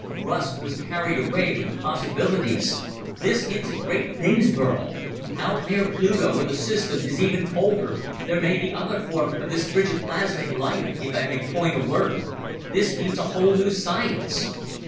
Russ was carried away with the possibilities. "This hints at great things, Burl. Out near Pluto, where the system is even colder, there may be other forms of this frigi plasmic life, if I may coin a word. This means a whole new science!"